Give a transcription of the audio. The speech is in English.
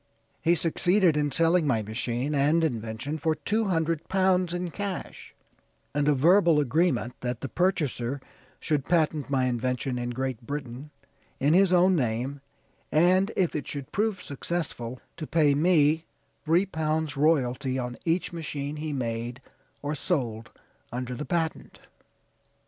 He succeeded in selling my machine and invention for two hundred pounds in cash, and a verbal agreement that the purchaser should patent my invention in Great Britain, in his own name; and if it should prove successful, to pay me three pounds royalty on each machine he made or sold under the patent.